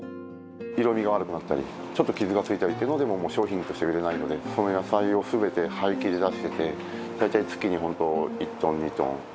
色味が悪くなったり、ちょっと傷がついたりっていうのでももう商品として売れないので、そういう野菜をすべて廃棄で出してて、大体月に本当、１トン、２トン。